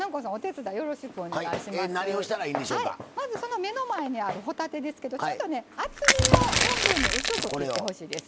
まず目の前にある帆立てですがちょっとね厚みを半分に薄く切ってほしいです。